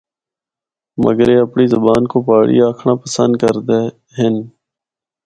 مگر اے اپنڑی زبان کو پہاڑی آکھنڑا پسند کردے ہن۔